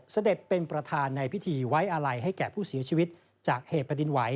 เสด็จเป็นประธานในพิธีไว้อาลัยให้แก่ผู้เสียชีวิตจากเหตุแผ่นดินไหว